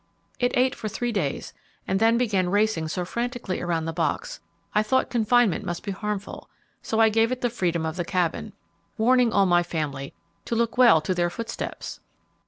It ate for three days, and then began racing so frantically around the box, I thought confinement must be harmful, so I gave it the freedom of the Cabin, warning all my family to 'look well to their footsteps.'